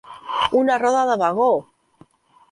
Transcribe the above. Una roda de vagó!